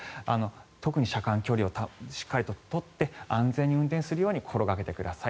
特に車間距離をしっかりと取って安全に運転するように心掛けてください。